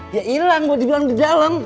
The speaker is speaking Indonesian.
ya ilang gue dibilang di dalam